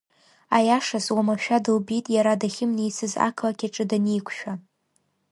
Аиашаз уамашәа дылбеит иара дахьымнеицыз ақалақь аҿы даниқәшәа.